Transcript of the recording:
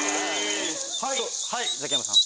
はいザキヤマさん。